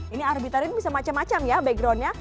ini arbitarin bisa macam macam ya backgroundnya